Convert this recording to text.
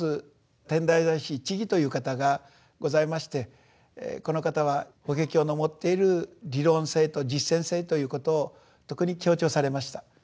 天台大師智という方がございましてこの方は法華経の持っている理論性と実践性ということを特に強調されました。